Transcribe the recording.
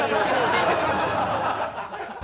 いいんですか？